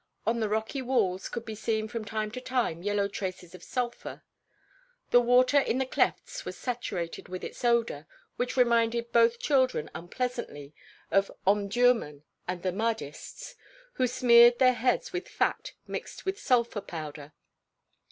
On the rocky walls could be seen from time to time yellow traces of sulphur. The water in the clefts was saturated with its odor, which reminded both children unpleasantly of Omdurmân and the Mahdists, who smeared their heads with fat mixed with sulphur powder.